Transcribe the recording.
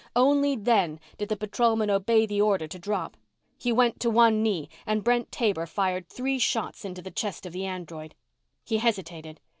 Only then, did the patrolman obey the order to drop. He went to one knee and Brent Taber fired three shots into the chest of the android. He hesitated.